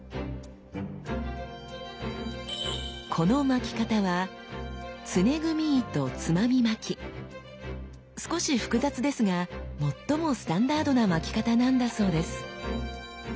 この巻き方は少し複雑ですが最もスタンダードな巻き方なんだそうです。